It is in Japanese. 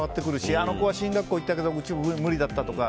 あの子は進学校行ったけどうちは無理だったとか。